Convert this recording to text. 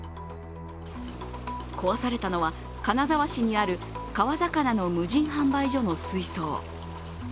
壊されたのは、金沢市にある川魚の無人販売所の水槽。